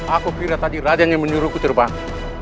aku kira tadi raden yang menyuruhku terbang